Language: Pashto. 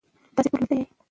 تاسی ټول ویده یی